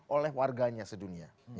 oleh warganya sedunia